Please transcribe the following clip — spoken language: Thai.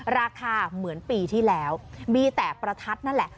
ราคาเหมือนปีที่แล้วมีแต่ประทัดนั่นแหละ